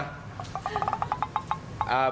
อยากจะเข้ามา